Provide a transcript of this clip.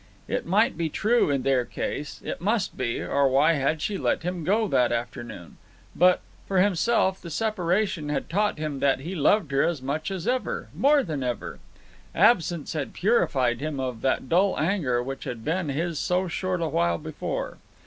It might be true in her case—it must be, or why had she let him go that afternoon?—but, for himself, the separation had taught him that he loved her as much as ever, more than ever. Absence had purified him of that dull anger which had been his so short a while before.